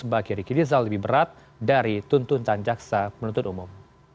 bagi riki rizal lebih berat dari tuntutan jaksa penuntut umum